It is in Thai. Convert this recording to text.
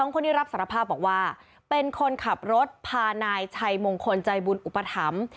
คนนี้รับสารภาพบอกว่าเป็นคนขับรถพานายชัยมงคลใจบุญอุปถัมภ์